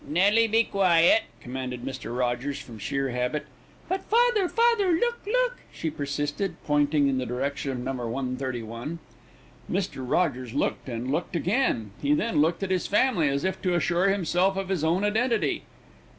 "Nelly, be quiet," commanded Mr. Rogers from sheer habit. "But, father, father, look, look!" she persisted, pointing in the direction of No. 131. Mr. Rogers looked, and looked again. He then looked at his family as if to assure himself of his own identity.